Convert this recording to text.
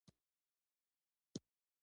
ډېر وخت خبرې د حالاتو ښکارندویي کوي.